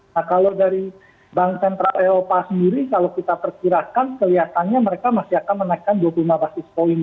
nah kalau dari bank sentral eropa sendiri kalau kita perkirakan kelihatannya mereka masih akan menaikkan dua puluh lima basis point